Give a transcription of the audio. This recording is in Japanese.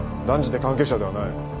断じて関係者ではない。